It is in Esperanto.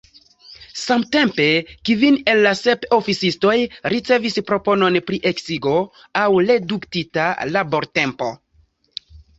Samtempe kvin el la sep oficistoj ricevis proponon pri eksigo aŭ reduktita labortempo.